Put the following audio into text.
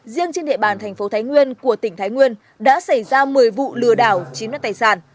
riêng trên địa bàn thành phố thái nguyên của tỉnh thái nguyên đã xảy ra một mươi vụ lừa đảo chiếm đất tài sản